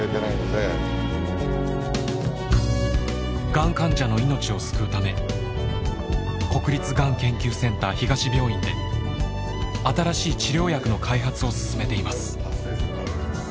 がん患者の命を救うため国立がん研究センター東病院で新しい治療薬の開発を進めています。